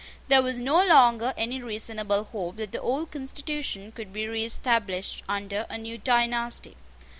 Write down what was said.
There was no longer any reasonable hope that the old constitution could be reestablished under a new dynasty.